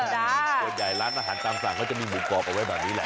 ส่วนใหญ่ร้านอาหารตามสั่งเขาจะมีหมูกรอบเอาไว้แบบนี้แหละ